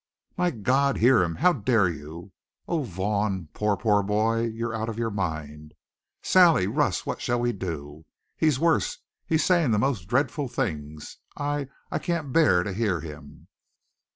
"My God, hear him! How dare you Oh, Vaughn, poor, poor boy, you're out of your mind! Sally, Russ, what shall we do? He's worse. He's saying the most dreadful things! I I can't bear to hear him!"